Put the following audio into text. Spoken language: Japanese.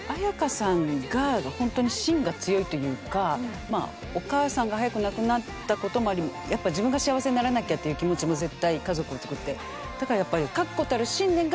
私やっぱりお母さんが早く亡くなったこともありやっぱ自分が幸せにならなきゃっていう気持ちも絶対家族をつくって。